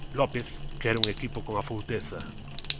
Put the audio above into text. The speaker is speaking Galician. López quere un equipo con afouteza.